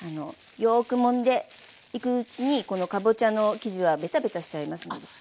よくもんでいくうちにこのかぼちゃの生地はベタベタしちゃいますので。